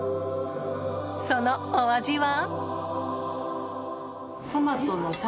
そのお味は？